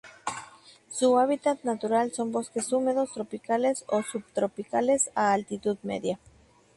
Su hábitat natural son bosques húmedos tropicales o subtropicales a altitud media.